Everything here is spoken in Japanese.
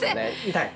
痛い？